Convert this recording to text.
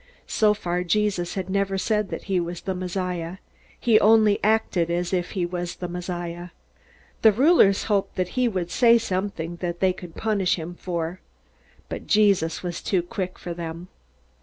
So far, Jesus had never said that he was the Messiah. He had only acted as if he was the Messiah. The rulers hoped that he would say something they could punish him for. But Jesus was too quick for them.